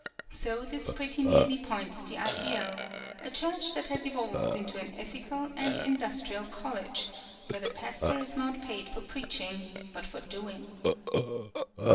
So this pretty nearly points the ideal a church that has evolved into an ethical and industrial college, where the pastor is not paid for preaching, but for doing.